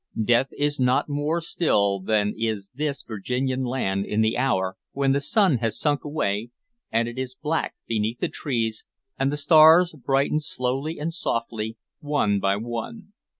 Death is not more still than is this Virginian land in the hour when the sun has sunk away, and it is black beneath the trees, and the stars brighten slowly and softly, one by one.